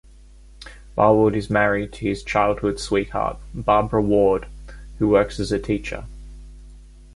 Barwood is married to his childhood sweetheart Barbara Ward, who works as a teacher.